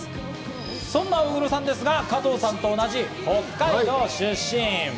そんな大黒さんですが、加藤さんと同じ北海道出身。